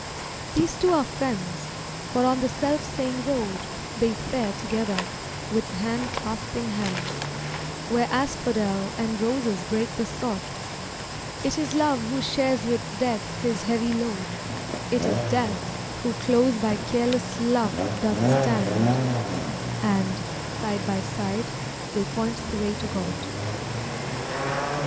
These two are friends, for on the self same road They fare together, with hand clasping hand, Where asphodel and roses break the sod; 'T is Love who shares with Death his heavy load, 'T is Death who close by careless Love doth stand, And, side by side, they point the way to God.